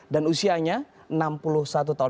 dan usianya enam puluh satu tahun